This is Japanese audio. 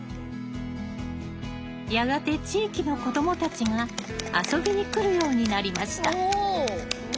やがて地域の子どもたちが遊びに来るようになりました。